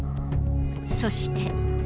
そして。